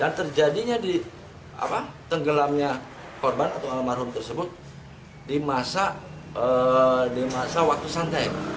dan terjadinya tenggelamnya korban atau almarhum tersebut di masa waktu santai